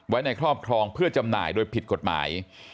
ในครอบครองเพื่อจำหน่ายโดยผิดกฎหมาย